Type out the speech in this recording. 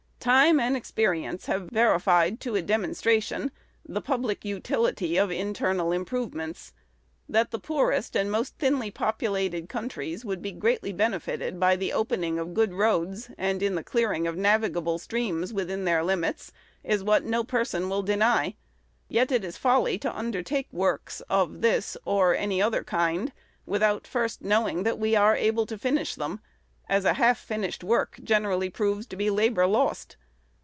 Time and experience have verified to a demonstration the public utility of internal improvements. That the poorest and most thinly populated countries would be greatly benefited by the opening of good roads, and in the clearing of navigable streams within their limits, is what no person will deny. Yet it is folly to undertake works of this or any other kind, without first knowing that we are able to finish them, as half finished work generally proves to be labor lost.